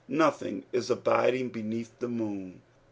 Nothing is abiding beneath the moon.